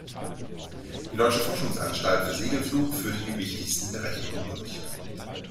Die Deutsche Forschungsanstalt für Segelflug führte die wichtigsten Berechnungen durch.